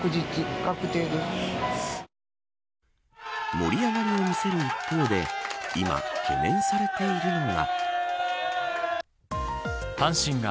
盛り上がりを見せる一方で今、懸念されているのが。